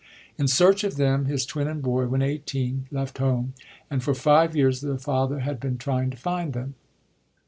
In search of them, his twin and boy, when eighteen, left home ; and for five years the father had been trying to find them.